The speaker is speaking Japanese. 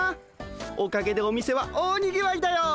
おかげでお店は大にぎわいだよ。